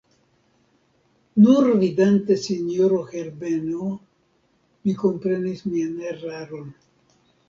Nur vidinte sinjoron Herbeno, mi komprenis mian eraron.